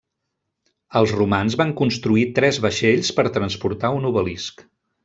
Els romans van construir tres vaixells per transportar un obelisc.